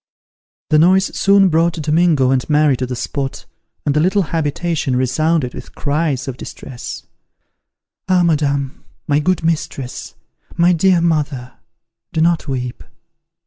The noise soon brought Domingo and Mary to the spot, and the little habitation resounded with cries of distress, "Ah, madame! My good mistress! My dear mother! Do not weep!"